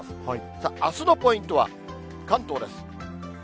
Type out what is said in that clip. さあ、あすのポイントは、関東です。